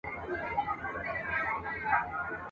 د هغه مور او پلار د امریکا د داخلي !.